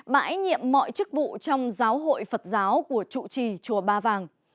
bãi nhiệm mọi chức vụ trong giáo hội phật giáo của chủ trì chùa ba vàng